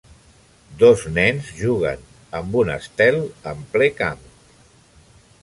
Dos nens jugant amb un estel en ple camp.